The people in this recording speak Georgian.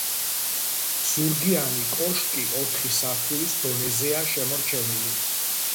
ზურგიანი კოშკი ოთხი სართულის დონეზეა შემორჩენილი.